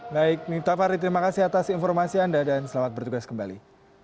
baik miftah farid terima kasih atas informasi anda dan selamat bertugas kembali